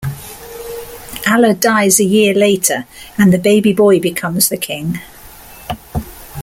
Alla dies a year later, and the baby boy becomes the King.